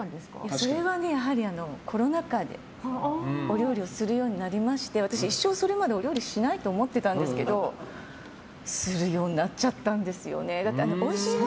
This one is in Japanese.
それは、コロナ禍でお料理をするようになりまして私、それまで一生お料理しないと思ってたんですけどするようになっちゃったんですよね。